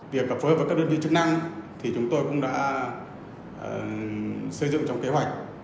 việc phối hợp với các đơn vị chức năng thì chúng tôi cũng đã xây dựng trong kế hoạch